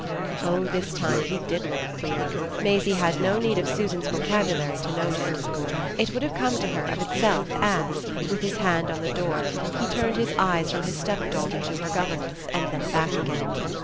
Oh this time he did look queer; Maisie had no need of Susan's vocabulary to note it! It would have come to her of itself as, with his hand on the door, he turned his eyes from his stepdaughter to her governess and then back again.